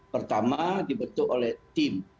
pertama dibentuk oleh tim